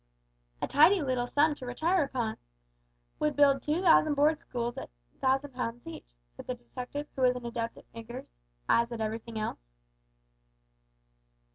"A tidy little sum to retire upon. Would build two thousand Board Schools at a thousand pounds each," said the detective, who was an adept at figures, as at everything else.